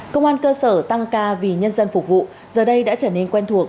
công an cơ sở tăng ca vì nhân dân phục vụ giờ đây đã trở nên quen thuộc